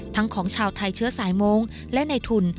ทั้งของชาวไทยเชื้อสายโมงและในทุน